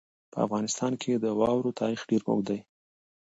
په افغانستان کې د واورو تاریخ ډېر اوږد دی.